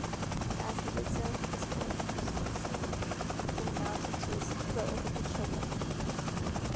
And as he did so, his heart almost stood still, then mounted to his throat as if to choke him.